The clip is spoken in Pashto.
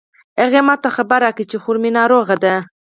هغې ما ته خبر راکړ چې خور می ناروغه ده